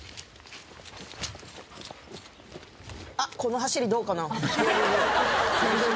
あっこの走りどうかな？